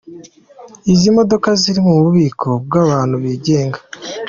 Izi modoka ziri mu bubiko bw’abantu bigenga.